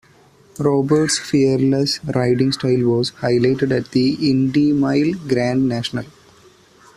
Roberts' fearless riding style was highlighted at the Indy Mile Grand National.